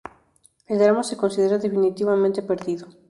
El drama se considera definitivamente perdido.